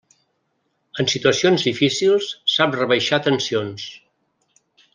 En situacions difícils sap rebaixar tensions.